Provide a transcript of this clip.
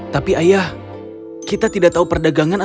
tapi ayah kita tidak tahu perdagangan